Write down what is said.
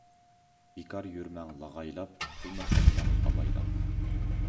بىكار يۈرمەڭ لاغايلاپ، پۇلنى خەجلەڭ ئاۋايلاپ.